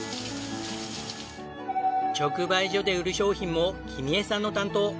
直売所で売る商品も君恵さんの担当。